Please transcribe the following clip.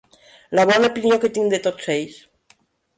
La bona opinió que tinc de tots ells.